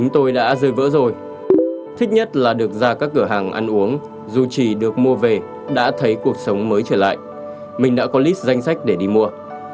tôi đã rời vỡ rồi thích nhất là được ra các cửa hàng ăn uống dù chỉ được mua về đã thấy cuộc sống mới trở lại mình đã có list danh sách để đi mua